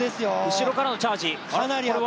後ろからのチャージ。